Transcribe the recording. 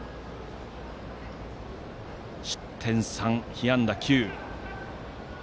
失点３、被安打９。